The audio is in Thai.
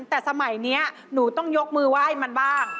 แต่สมัยนี้หนูต้องยกมือไหว้มันบ้าง